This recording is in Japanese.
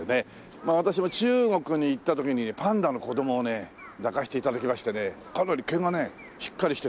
まあ私も中国に行った時にパンダの子供をね抱かせて頂きましてねかなり毛がねしっかりしてて。